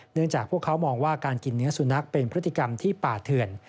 จากพวกเขามองว่าการกินเนื้อสุนัขเป็นพฤติกรรมที่ป่าเถื่อน